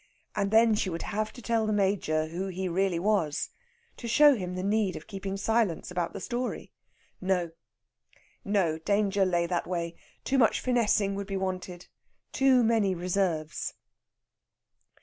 And then she would have to tell the Major who he really was, to show him the need of keeping silence about the story. No, no! Danger lay that way. Too much finessing would be wanted; too many reserves.